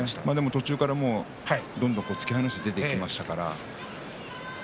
途中から、どんどん突き放していきました。